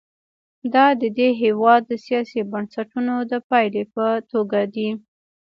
دا د دې هېواد د سیاسي بنسټونو د پایلې په توګه دي.